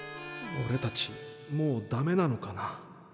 おれたちもうダメなのかな？